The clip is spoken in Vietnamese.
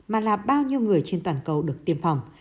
mà là bao nhiêu người trên toàn cầu được tiêm phòng